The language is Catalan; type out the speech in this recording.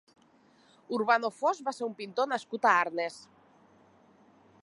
Urbano Fos va ser un pintor nascut a Arnes.